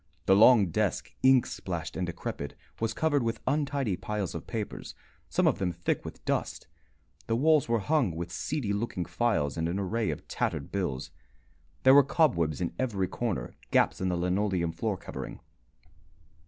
The long desk, ink splashed and decrepit, was covered with untidy piles of papers, some of them thick with dust; the walls were hung with seedy looking files and an array of tattered bills; there were cobwebs in every corner, gaps in the linoleum floor covering.